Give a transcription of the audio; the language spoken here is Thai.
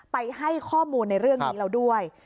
ไปให้ข้อมูลในเรื่องนี้แล้วด้วย